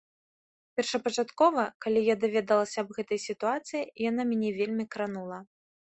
Першапачаткова, калі я даведалася аб гэтай сітуацыі, яна мяне вельмі кранула.